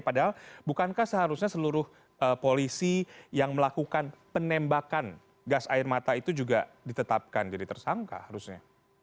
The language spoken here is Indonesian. padahal bukankah seharusnya seluruh polisi yang melakukan penembakan gas air mata itu juga ditetapkan jadi tersangka harusnya